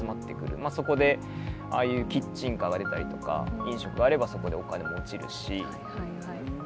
まあそこでああいうキッチンカーが出たりとか飲食あればそこでお金も落ちるしま